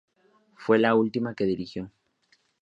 Fue la última que dirigió.